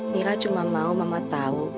mila cuma mau mama tahu